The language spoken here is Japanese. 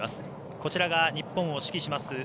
こちらが日本を指揮します